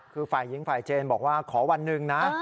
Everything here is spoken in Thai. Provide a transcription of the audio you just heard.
คือฝ่ายอิงฝ่ายเจนบอกว่าขอ๑นึงนะ